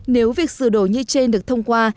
nếu việc sửa đồ như trên được thông qua